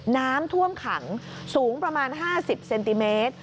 น้ำท่วมขังสูงประมาณ๕๐เซนติเมตร